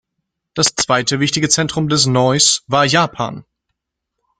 Das zweite wichtige Zentrum des Noise war Japan.